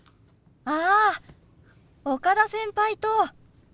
ああ岡田先輩と！